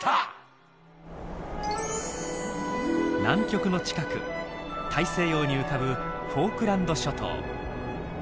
南極の近く大西洋に浮かぶフォークランド諸島。